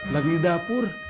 lagi di dapur